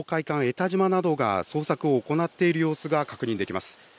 たじまなどが捜索を行っている様子が確認できます。